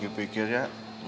pak pikir pikir ya